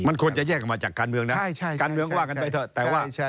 มันควรจะแยกกันมาจากการเมืองนะการเมืองก็ว่ากันไปเถอะ